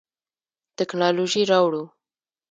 تکنالوژي راوړو.